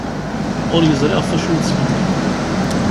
Ur yeẓri ɣef wacu i yettxemmim.